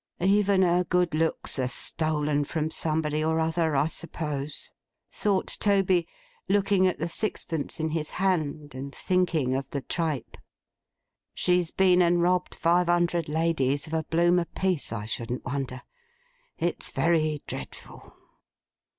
'Even her good looks are stolen from somebody or other, I suppose,' thought Toby, looking at the sixpence in his hand, and thinking of the tripe. 'She's been and robbed five hundred ladies of a bloom a piece, I shouldn't wonder. It's very dreadful!